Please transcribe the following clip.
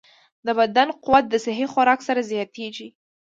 د بدن قوت د صحي خوراک سره زیاتېږي.